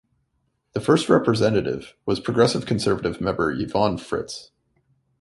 The first representative was Progressive Conservative member Yvonne Fritz.